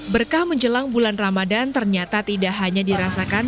berkah menjelang bulan ramadan ternyata tidak hanya dirasakan